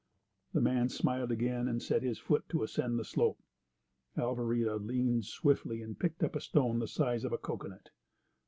The man smiled again, and set his foot to ascend the slope. Alvarita leaned swiftly and picked up a stone the size of a cocoanut.